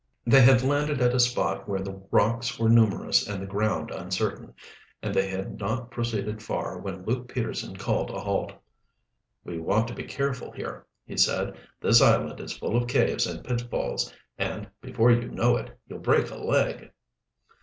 They had landed at a spot where the rocks were numerous and the ground uncertain, and they had not proceeded far when Luke Peterson called a halt. "We want to be careful here," he said. "This island is full of caves and pitfalls and, before you know it, you'll break a leg."